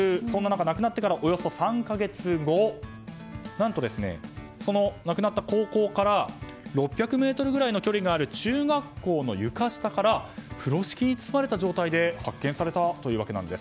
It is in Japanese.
なくなってからおよそ３か月後何と、なくなった高校から６００ｍぐらいの距離にある中学校の床下から風呂敷に包まれた状態で発見されたというわけなんです。